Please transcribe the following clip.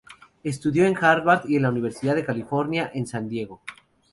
Estudió en Harvard y en la Universidad de California, en San Diego.